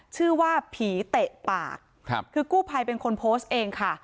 ชื่อว่าผีเตะปากครับคือกู้ภัยเป็นคนโพสต์เองค่ะ